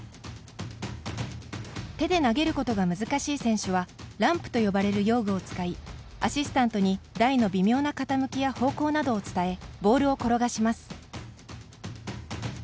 手で投げることが難しい選手はランプと呼ばれる用具を使いアシスタントに、台の微妙な傾きや方向などを伝えボールを転がします。